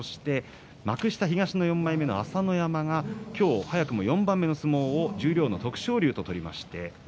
幕下東の４枚目の朝乃山が今日、早くも４番目の相撲を十両の徳勝龍と取りました。